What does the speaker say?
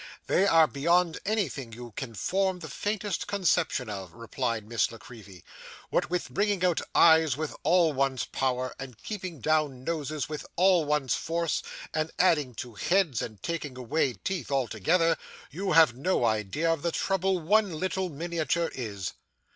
'They are beyond anything you can form the faintest conception of,' replied Miss La Creevy. 'What with bringing out eyes with all one's power, and keeping down noses with all one's force, and adding to heads, and taking away teeth altogether, you have no idea of the trouble one little miniature is.